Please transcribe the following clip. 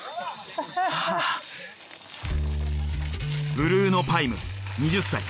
ブルーノ・パイム２０歳。